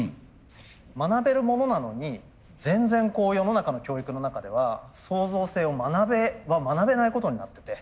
学べるものなのに全然世の中の教育の中では創造性を学べないことになってて。